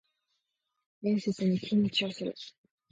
面接に緊張する